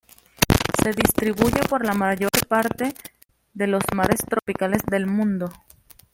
Se distribuye por la mayor parte de los mares tropicales del mundo.